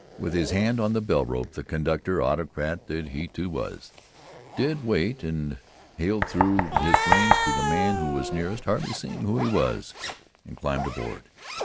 With his hand on the bell rope, the conductor, autocrat that he, too, was, did wait and Hale threw his reins to the man who was nearest, hardly seeing who he was, and climbed aboard.